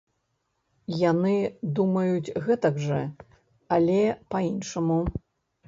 Яны думаюць гэтак жа, але па-іншаму.